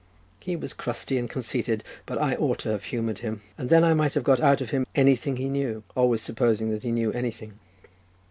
He was crusty and conceited, but I ought to have humoured him, and then I might have got out of him anything he knew, always supposing that he knew anything.